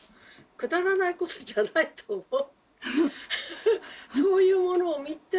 くだらないことじゃないと思う。